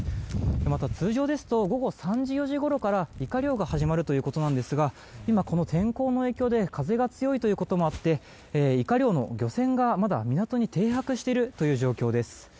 また通常ですと午後３時、４時ごろからイカ漁が始まるということなんですがこの天候の影響で風が強いこともあってイカ漁の漁船がまだ港に停泊しているという状況です。